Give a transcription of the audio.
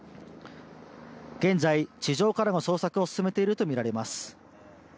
現在、地上から捜索を進めていると見られます。